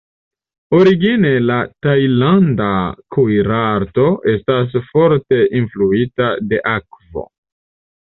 Origine la tajlanda kuirarto estas forte influita de akvo.